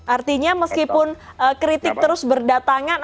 artinya meskipun kritik terus berdatangan